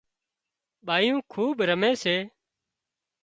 ٻايون کوٻ رمي سي